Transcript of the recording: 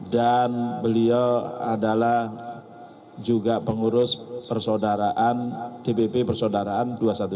dan beliau adalah juga pengurus persodaraan dpp persodaraan dua ratus dua belas